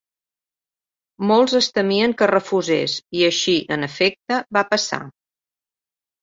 Molts es temien que refusés i així, en efecte, va passar.